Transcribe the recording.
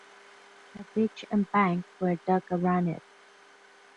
A ditch and bank were dug around it.